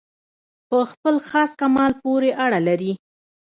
په خپل خاص کمال پوري اړه لري.